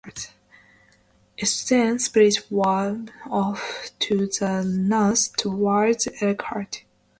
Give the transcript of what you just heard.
It then split off to the north towards Elkhart.